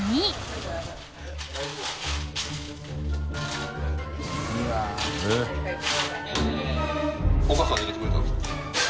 淵好織奪奸お母さんが入れてくれたんですか？